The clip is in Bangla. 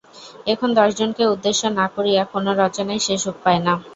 এখন দশজনকে উদ্দেশ না করিয়া কোনো রচনায় সে সুখ পায় না।